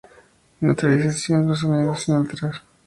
Neutralización de los sonidos sin alterar.